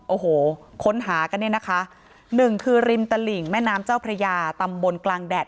โอ้โหค้นหากันเนี่ยนะคะหนึ่งคือริมตลิ่งแม่น้ำเจ้าพระยาตำบลกลางแดด